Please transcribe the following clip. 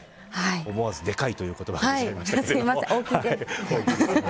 思わず、でかいという言葉が出そうになりましたが。